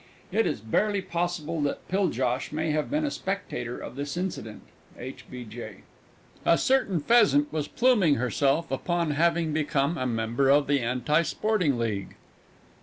It is barely possible that Piljosh may have been a spectator of this incident. H. B. J. A certain Pheasant was pluming herself upon having become a member of the Anti Sporting League.